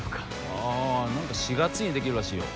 ああ何か４月にできるらしいよ